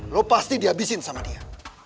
lo pasti dihabisin sama dia